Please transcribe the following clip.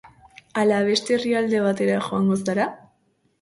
Ala beste herrialde batera joango zara?